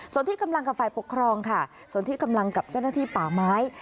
สวทิกำลังกับไฟปกครองค่ะสวทิกำลังกับเจ้าหน้าที่ป่าม้าย